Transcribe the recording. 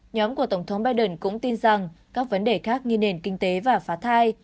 nhóm của tổng thống biden cũng tin rằng các vấn đề khác như nền kinh tế và phá thai